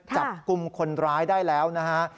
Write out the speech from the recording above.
จับกลุ่มคนร้ายได้แล้วนะฮะ